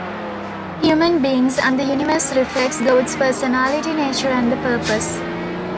Human beings and the universe reflect God's personality, nature, and purpose.